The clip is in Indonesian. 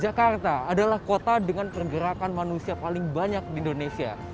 jakarta adalah kota dengan pergerakan manusia paling banyak di indonesia